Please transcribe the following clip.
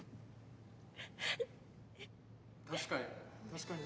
確かに。